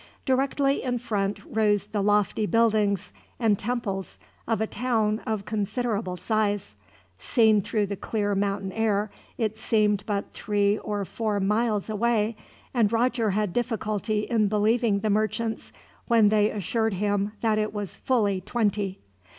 Directly in front rose the lofty buildings and temples of a town of considerable size. Seen through the clear mountain air it seemed but three or four miles away, and Roger had difficulty in believing the merchants, when they assured him that it was fully twenty.